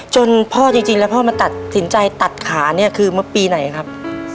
จนพ่อจริงแล้วพ่อมาตัดสินใจตัดขาเนี่ยคือเมื่อปีไหนครับ